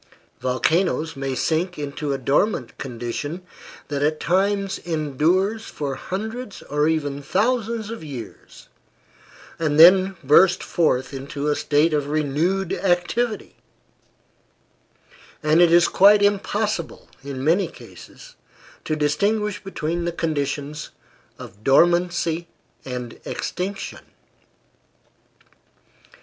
Volcanoes may sink into a dormant condition that at times endures for hundreds or even thousands of years, and then burst forth into a state of renewed activity; and it is quite impossible, in many cases, to distinguish between the conditions of dormancy and extinction.